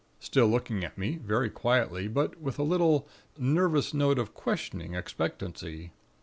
still looking at me, very quietly but with a little, nervous note of questioning expectancy.